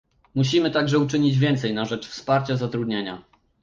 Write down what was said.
Musimy także uczynić więcej na rzecz wsparcia zatrudnienia